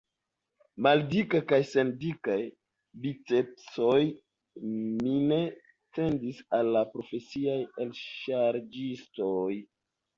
Maldika, kaj sen dikaj bicepsoj, mi ne cedis al la profesiaj elŝarĝistoj.